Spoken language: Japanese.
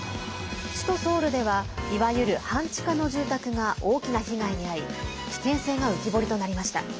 首都ソウルではいわゆる半地下の住宅が大きな被害に遭い危険性が浮き彫りとなりました。